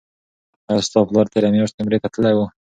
آیا ستا پلار تیره میاشت عمرې ته تللی و؟